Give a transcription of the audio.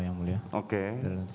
yang summertime moet jiawei yang pertama